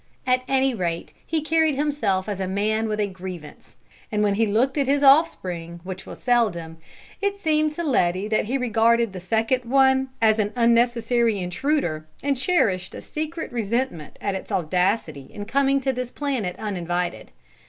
At any rate, he carried himself as a man with a grievance, and when he looked at his offspring, which was seldom, it seemed to Letty that he regarded the second one as an unnecessary intruder and cherished a secret resentment at its audacity in coming to this planet uninvited.